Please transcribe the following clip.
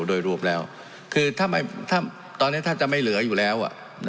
โดยรวมแล้วคือถ้าตอนนี้ถ้าจะไม่เหลืออยู่แล้ว